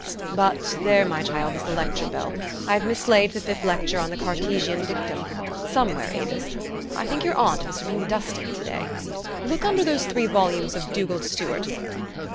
But there, my child, is the lecture bell. I have mislaid the fifth lecture on the Cartesian dictum, somewhere, Avis : I think your aunt must have been dusting to day. Look under those three volumes of Dugald Stewart.